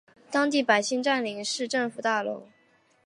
当地百姓占领市政府大楼。